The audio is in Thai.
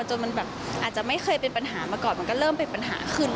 จนมันแบบอาจจะไม่เคยเป็นปัญหามาก่อนมันก็เริ่มเป็นปัญหาขึ้น